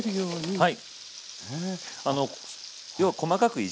はい。